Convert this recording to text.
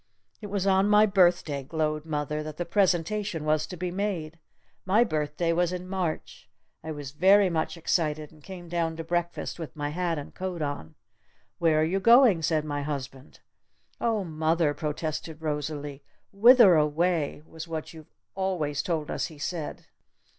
It was on my birthday," glowed mother, "that the presentation was to be made! My birthday was in March! I was very much excited and came down to breakfast with my hat and coat on! 'Where are you going?' said my husband." "Oh Mother!" protested Rosalee. "'Whither away?' was what you've always told us he said!"